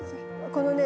このね。